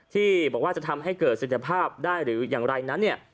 ที่บอกว่าจะทำให้เกิดสติภาพได้หรืออย่างไรนะ